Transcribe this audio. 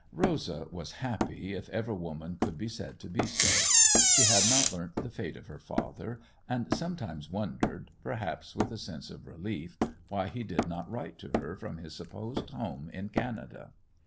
Rosa was happy, if ever woman could be said to be so. She had not learnt the fate of her father, and sometimes wondered—perhaps with a sense of relief—why he did not write to her from his supposed home in Canada.